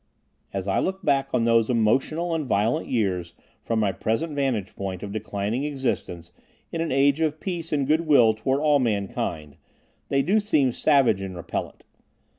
As I look back on those emotional and violent years from my present vantage point of declining existence in an age of peace and good will toward all mankind, they do seem savage and repellent.